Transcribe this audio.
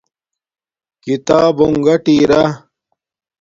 کتابونݣ گاٹی راہ